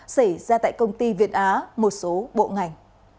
xảy ra tại công ty việt á một số bộ ngành